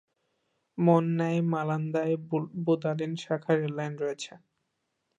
মৌন্যায় Mandalay-Budalin শাখা rail line রয়েছে।